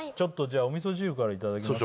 おみそ汁からいただきます。